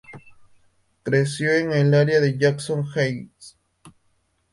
Creció en el área de Jackson Heights.